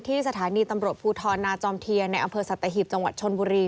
สถานีตำรวจภูทรนาจอมเทียนในอำเภอสัตหีบจังหวัดชนบุรี